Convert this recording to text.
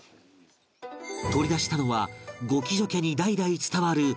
取り出したのは五鬼助家に代々伝わる家系図